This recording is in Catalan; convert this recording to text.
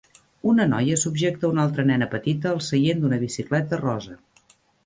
Una noia subjecta una altra nena petita al seient d"una bicicleta rosa.